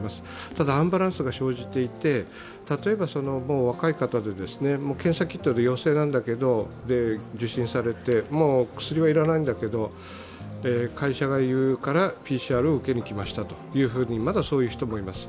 ただアンバランスが生じていて、例えば若い方で検査キットで陽性なんだけれども、受診されてもう薬は要らないんだけれども、会社が言うからＰＣＲを受けに来ましたと、まだそういう人もいます。